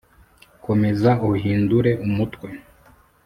komeza uhindure umutwe